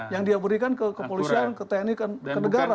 yang dia berikan ke kepolisian ke tni ke negara